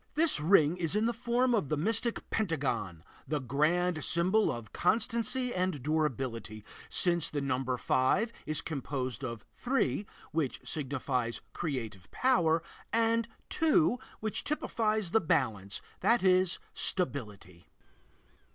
This ring is in the form of the mystic Pentagon, the grand symbol of constancy and durability, since the number five is composed of three, which signifies creative power, and two, which typifies the balance, that is, stability.